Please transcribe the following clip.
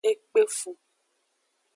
E kpefun.